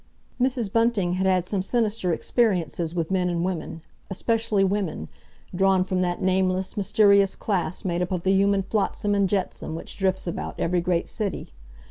Mrs. Bunting had had some sinister experiences with men and women—especially women—drawn from that nameless, mysterious class made up of the human flotsam and jetsam which drifts about every great city.